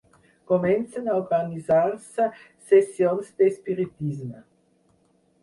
Comencen a organitzar-se sessions d'espiritisme.